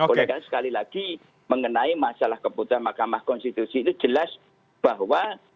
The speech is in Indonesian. oleh karena sekali lagi mengenai masalah keputusan mahkamah konstitusi itu jelas bahwa